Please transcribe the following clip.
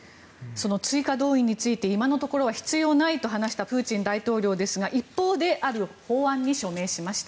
その追加動員について今のところは必要ないと話したプーチン大統領ですが一方である法案に署名しました。